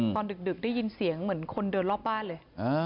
ดึกได้ยินเสียงเหมือนคนเดินรอบบ้านเลย